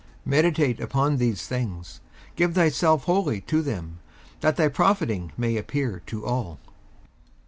54:004:015 Meditate upon these things; give thyself wholly to them; that thy profiting may appear to all.